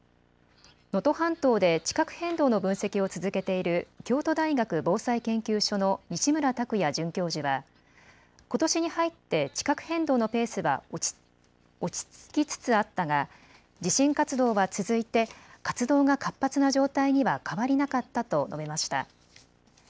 能登半島で地殻変動の分析を続けている京都大学防災研究所の西村卓也准教授はことしに入って地殻変動のペースは落ち着きつつあったが地震活動は続いて活動が活発な状態には変わりなかったと述べました。